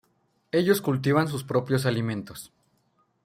Ellos cultivaban sus propios alimentos.